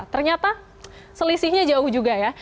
ternyata selisihnya jauh juga ya